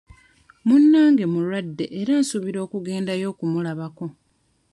Munnange mulwadde era nsuubira okugendayo okumulabako.